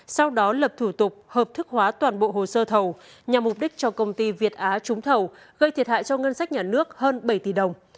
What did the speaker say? sau đó lập thủ tục hợp thức hóa toàn bộ hồ sơ thầu nhằm mục đích cho công ty việt á trúng thầu gây thiệt hại cho ngân sách nhà nước hơn bảy tỷ đồng